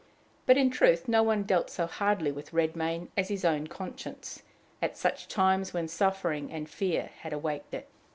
But, in truth, no one dealt so hardly with Redmain as his own conscience at such times when suffering and fear had awaked it.